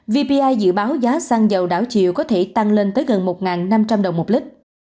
vpi dự báo giá xăng dầu đảo chiều có thể tăng lên tới gần một năm trăm linh đồng một lít